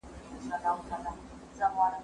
زه له سهاره ليکنه کوم،